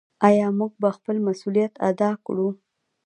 آیا موږ به خپل مسوولیت ادا کړو؟